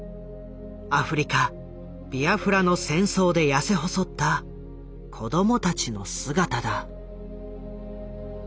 アフリカビアフラの戦争で痩せ細った子どもたちの姿だ。